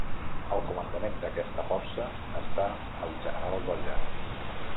Al comandament d'aquesta força està el general Dolla.